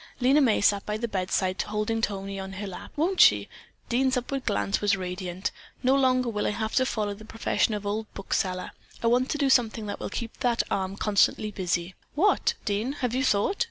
Lena May sat by the bedside holding Tony on her lap. "Won't she?" Dean's upward glance was radiant. "No longer will I have to follow the profession of old book seller. I want to do something that will keep that arm constantly busy." "What, Dean, have you thought?"